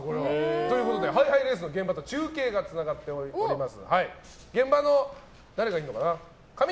ということでハイハイレースの現場と中継がつながっております。